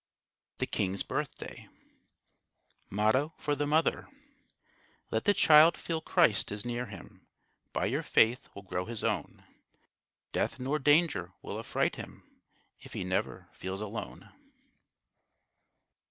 THE KING'S BIRTHDAY MOTTO FOR THE MOTHER _Let the child feel Christ is near him; By your faith will grow his own; Death nor danger will affright him If he never feels alone_.